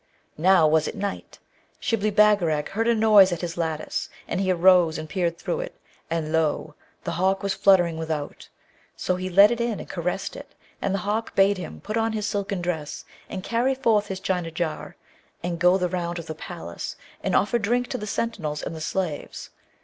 Now, when it was night, Shibli Bagarag heard a noise at his lattice, and he arose and peered through it, and lo! the hawk was fluttering without; so he let it in, and caressed it, and the hawk bade him put on his silken dress and carry forth his China jar, and go the round of the palace, and offer drink to the sentinels and the slaves.